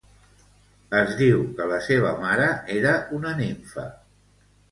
Es diu que la seva mare era una nimfa.